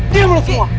diam lo semua